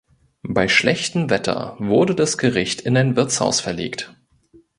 Bei schlechtem Wetter wurde das Gericht in ein Wirtshaus verlegt.